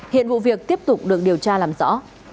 hiện vụ việc tiếp tục được điều tra làm rõ